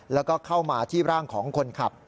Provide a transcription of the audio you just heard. แล้วก็เข้ามาที่ร่างของคนขับ